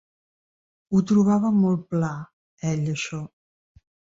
Ho trobava molt pla, ell, això.